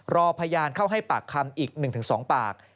รอพยานเข้าให้ปากคำอีก๑๒ปาก